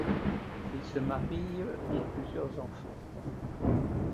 Ils se marient ont plusieurs enfants.